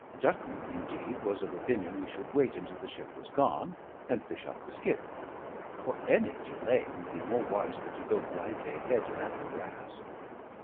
Dutton, indeed, was of opinion we should wait until the ship was gone, and fish up the skiff; for any delay would be more wise than to go blindly ahead in that morass.